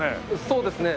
そうですね。